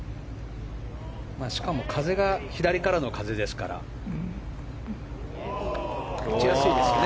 しかも風が左からの風ですから打ちやすいですよね。